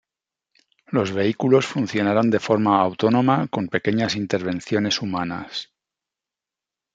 Los vehículos funcionaron de forma autónoma con pequeñas intervenciones humanas.